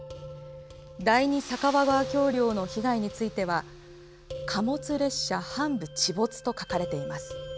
第二酒匂川橋りょうの被害については「貨物列車半部地没」と書かれています。